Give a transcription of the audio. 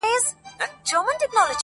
وروستی دیدن دی بیا به نه وي دیدنونه!!